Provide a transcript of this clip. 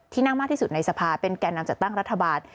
นั่งมากที่สุดในสภาเป็นแก่นำจัดตั้งรัฐบาล